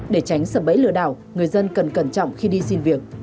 để tránh sập bẫy lừa đảo người dân cần cẩn trọng khi đi xin việc